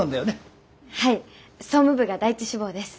はい総務部が第１志望です。